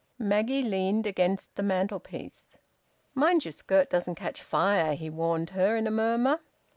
Maggie leaned against the mantelpiece. "Mind your skirt doesn't catch fire," he warned her, in a murmur.